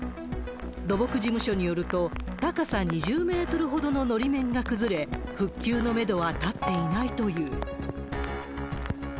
土木事務所によると、高さ２０メートルほどののり面が崩れ、復旧のメドは立っていないという。